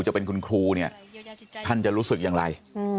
จะเป็นคุณครูเนี่ยท่านจะรู้สึกอย่างไร